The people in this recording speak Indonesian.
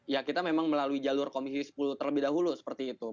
ya kita memang melalui jalur komisi sepuluh terlebih dahulu seperti itu